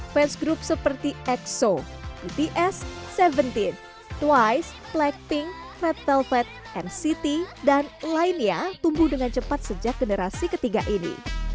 fans group seperti exo bts tujuh belas twice blackpink red velvet nct dan lainnya tumbuh dengan cepat sejak generasi ketiga ini